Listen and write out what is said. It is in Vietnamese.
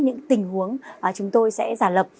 những tình huống chúng tôi sẽ giả lập